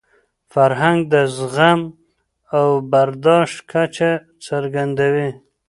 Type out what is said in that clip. فرهنګ د زغم او برداشت کچه څرګندوي.